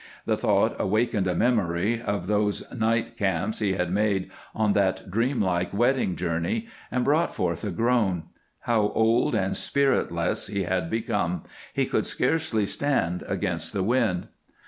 The thought awakened a memory of those night camps he had made on that dreamlike wedding journey and brought forth a groan. How old and spiritless he had become; he could scarcely stand against the wind!